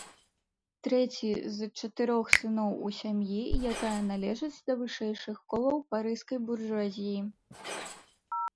Трэці з чатырох сыноў у сям'і, якая належыць да вышэйшых колаў парыжскай буржуазіі.